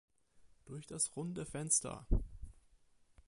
Durch das runde Fenster!